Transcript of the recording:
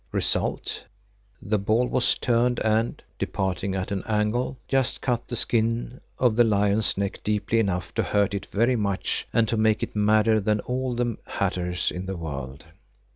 Result: the ball was turned and, departing at an angle, just cut the skin of the lion's neck deeply enough to hurt it very much and to make it madder than all the hatters in the world.